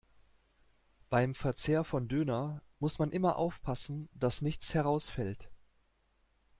Beim Verzehr von Döner muss man immer aufpassen, dass nichts herausfällt.